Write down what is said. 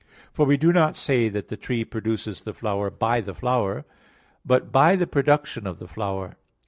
For we do not say that the tree produces the flower by the flower, but by the production of the flower.